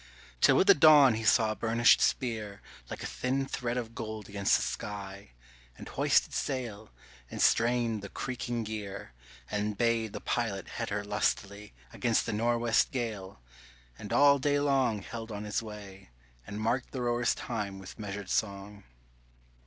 Till with the dawn he saw a burnished spear Like a thin thread of gold against the sky, And hoisted sail, and strained the creaking gear, And bade the pilot head her lustily Against the nor'west gale, and all day long Held on his way, and marked the rowers' time with measured song.